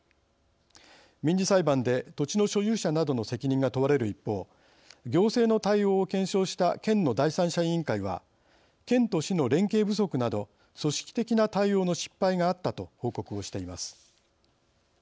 民事裁判で土地の所有者などの責任が問われる一方行政の対応を検証した県の第三者委員会は県と市の連携不足など組織的な対応の失敗があったと報告をしています。